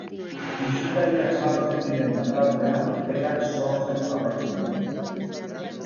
Bisitariak sartzen diren bitartean berak sortzen jarraitzen du.